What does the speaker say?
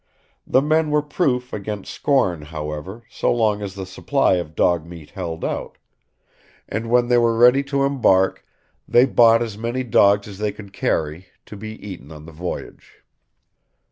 The men were proof against scorn, however, so long as the supply of dog meat held out; and when they were ready to embark, they bought as many dogs as they could carry, to be eaten on the voyage.